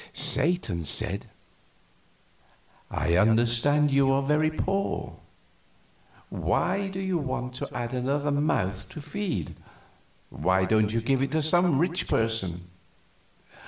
Satan said: "I understand you are very poor. Why do you want to add another mouth to feed? Why don't you give it to some rich person?"